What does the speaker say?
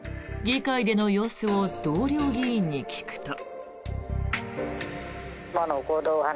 議会での様子を同僚議員に聞くと。